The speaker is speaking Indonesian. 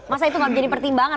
masa itu gak menjadi pertimbangan